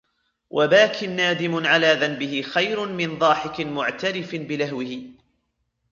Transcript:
وَبَاكٍ نَادِمٌ عَلَى ذَنْبِهِ خَيْرٌ مِنْ ضَاحِكٍ مُعْتَرِفٍ بِلَهْوِهِ